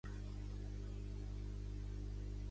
Fou considerat màrtir i sant per l'Església ortodoxa.